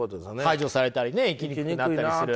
排除されたりね生きにくくなったりする。